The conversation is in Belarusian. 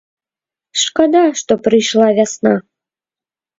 Шкада, што прыйшла вясна.